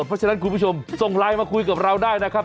เพราะฉะนั้นคุณผู้ชมส่งไลน์มาคุยกับเราได้นะครับ